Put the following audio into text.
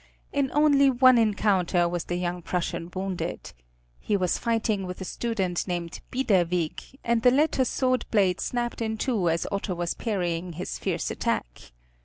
In only one encounter was the young Prussian wounded. He was fighting with a student named Biederwig, and the latter's sword blade snapped in two as Otto was parrying his fierce attack.